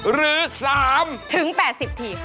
หรือสามถึง๘๐ทีค่ะ